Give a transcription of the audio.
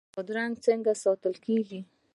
بادرنګ څنګه ساتل کیږي؟